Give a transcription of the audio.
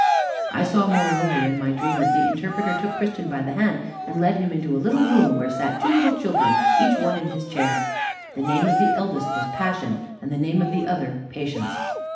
I saw moreover in my dream, that the Interpreter took Christian by the hand and led him into a little room, where sat two little children, each one in his chair. The name of the eldest was Passion, and the name of the other Patience.